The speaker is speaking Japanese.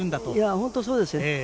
本当にそうですよね。